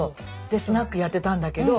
でスナックやってたんだけど。